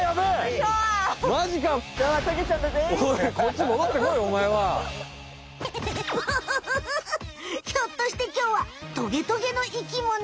ひょっとしてきょうはトゲトゲの生きもの？